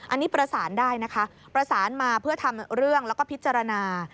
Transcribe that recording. อันนี้ประสานได้นะคะประสานมาเพื่อทำเรื่องแล้วก็พิจารณา